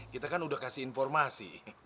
kita kan udah kasih informasi